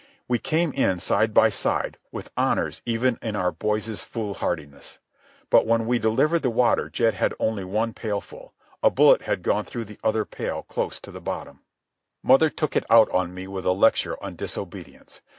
We came in side by side, with honours even in our boys' foolhardiness. But when we delivered the water Jed had only one pailful. A bullet had gone through the other pail close to the bottom. Mother took it out on me with a lecture on disobedience.